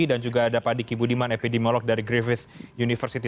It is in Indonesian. dan juga ada pak diki budiman epidemiolog dari griffith university